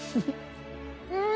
うん！